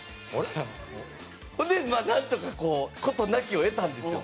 ほんでなんとかこう事なきを得たんですよ。